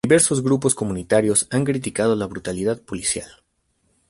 Diversos grupos comunitarios han criticado la brutalidad policial.